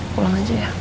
pulang aja ya